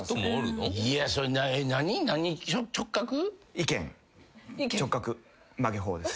意見直角曲げ法です。